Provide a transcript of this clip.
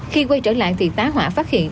khi quay trở lại thì tá hỏa phát hiện